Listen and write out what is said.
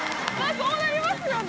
そうなりますよね。